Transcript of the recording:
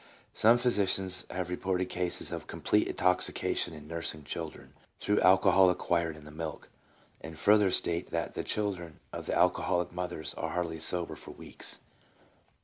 Some physicians have reported cases of complete intoxica tion in nursing children through alcohol acquired in the milk, and further state that the children of alcoholic mothers are hardly sober for weeks.